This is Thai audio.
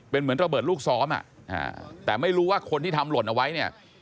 เป็นเหมือนระเบิดลูกซ้อมแต่ไม่รู้ว่าคนที่ทำหล่นเอาไว้เนี่ย